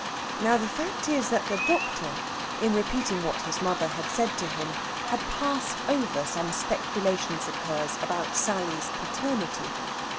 Now, the fact is that the doctor, in repeating what his mother had said to him, had passed over some speculations of hers about Sally's paternity.